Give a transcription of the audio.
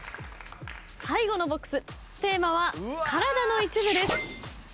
最後のＢＯＸテーマは「体の一部」です。